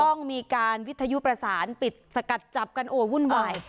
ต้องมีการวิทยุประสานปิดสกัดจับกันโอ้ยวุ่นวาย